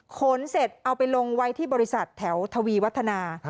เสร็จเอาไปลงไว้ที่บริษัทแถวทวีวัฒนา